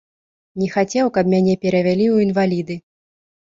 Не хацеў, каб мяне перавялі ў інваліды.